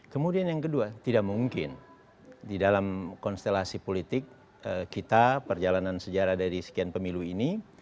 kemudian yang kedua tidak mungkin di dalam konstelasi politik kita perjalanan sejarah dari sekian pemilu ini